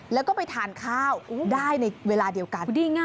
แล้วก็ไปทานข้าวได้ในเวลาเดียวกัน